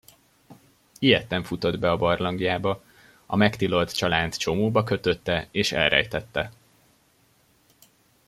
Ijedten futott be a barlangjába, a megtilolt csalánt csomóba kötötte és elrejtette.